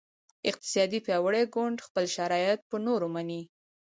اقتصادي پیاوړی ګوند خپل شرایط په نورو مني